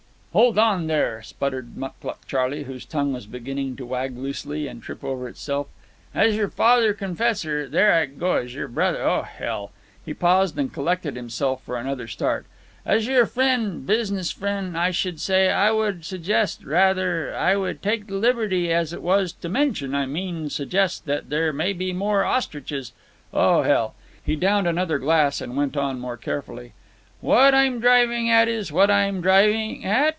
"Hold on there!" spluttered Mucluc Charley, whose tongue was beginning to wag loosely and trip over itself. "As your father confessor—there I go—as your brother—O hell!" He paused and collected himself for another start. "As your frien'—business frien', I should say, I would suggest, rather—I would take the liberty, as it was, to mention—I mean, suggest, that there may be more ostriches ... O hell!" He downed another glass, and went on more carefully. "What I'm drivin' at is ... what am I drivin' at?"